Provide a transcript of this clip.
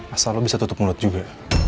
asal lo bisa tutup mulut juga